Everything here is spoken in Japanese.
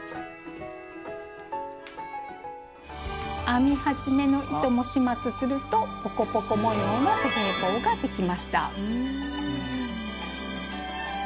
編み始めの糸も始末するとポコポコ模様のベレー帽ができました。